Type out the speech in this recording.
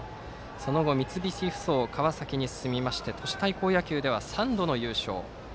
その後、三菱ふそう川崎に進み都市対抗野球では３度の優勝。